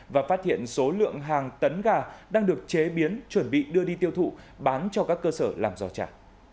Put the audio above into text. và phát hiện số lượng hàng tấn gà đang được chế biến chuẩn bị đưa đi tiêu thụ bán cho các cơ sở làm giò trà